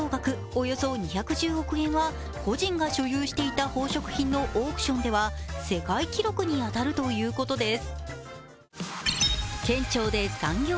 およそ２１０億円は個人が所有していた宝飾品のオークションでは世界記録に当たるということです。